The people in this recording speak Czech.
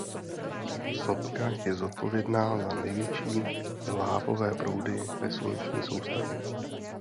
Sopka je zodpovědná za největší lávové proudy ve sluneční soustavě.